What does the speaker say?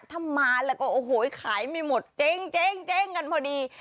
ถ้ามาแล้วก็โอ้โหขายไม่หมดเจ๊งกันพอดี